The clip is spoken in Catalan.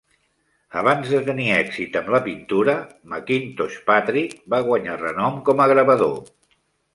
Abans de tenir èxit amb la pintura, McIntosh Patrick va guanyar renom com a gravador.